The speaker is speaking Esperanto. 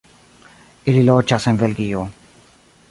Ili loĝas en Belgio.